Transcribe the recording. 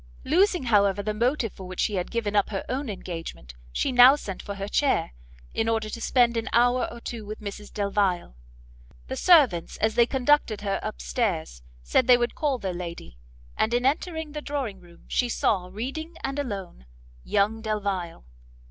Losing, however, the motive for which she had given up her own engagement, she now sent for her chair, in order to spend an hour or two with Mrs Delvile. The servants, as they conducted her up stairs, said they would call their lady; and in entering the drawing room she saw, reading and alone, young Delvile.